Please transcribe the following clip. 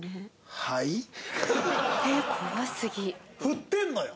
振ってるのよ！